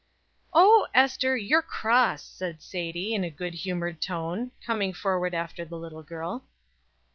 "O, Ester, you're cross!" said Sadie, in a good humored tone, coming forward after the little girl.